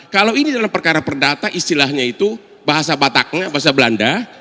kalau ini dalam perkara perdata istilahnya itu bahasa bataknya bahasa belanda